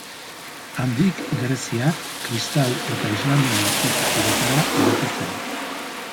Handik greziar, kristau eta islamiar arkitekturetara hedatu zen.